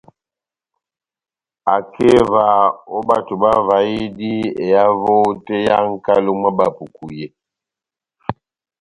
Akeva ó bato bavahidi ehavo tɛ́h yá nʼkalo mwá Bapuku yé.